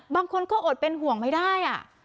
บางคนก็อดเป็นห่วงไม่ได้